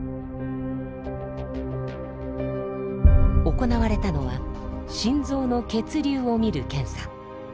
行われたのは心臓の血流を見る検査。